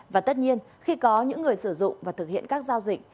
và tất nhiên khi có những người sử dụng và thực hiện các giao dịch